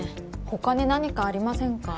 他に何かありませんか？